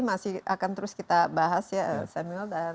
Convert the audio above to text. masih akan terus kita bahas ya samuel dan tuhan